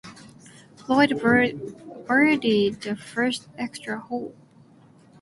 Floyd birdied the first extra hole.